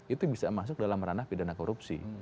itu bisa masuk dalam ranah pidana korupsi